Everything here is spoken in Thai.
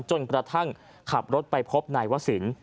จนกระทั่งขับรถไปพบนายวศิลป์